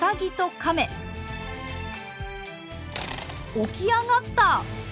起き上がった。